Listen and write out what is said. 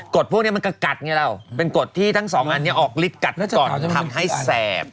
พวกนี้มันก็กัดไงเราเป็นกฎที่ทั้งสองอันนี้ออกฤทธิกัดก่อนทำให้แสบ